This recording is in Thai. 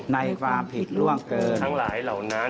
ในความผิดล่วงเกิน